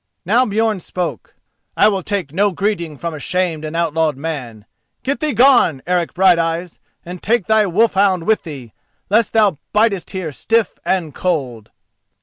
Now Björn spoke: "I will take no greeting from a shamed and outlawed man. Get thee gone, Eric Brighteyes, and take thy wolf hound with thee, lest thou bidest here stiff and cold."